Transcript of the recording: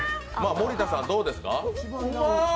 森田さん、どうですか？